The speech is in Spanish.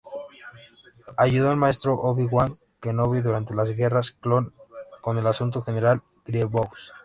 Ayudó al maestro Obi-Wan Kenobi durante las Guerras Clon, con el asunto "General Grievous".